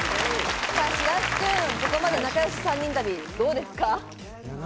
ここまで仲良し３人旅、どうですか？